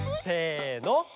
せの！